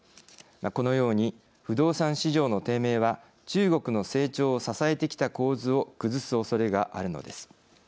このように不動産市場の低迷は中国の成長を支えてきた構図を崩すおそれがあるのです。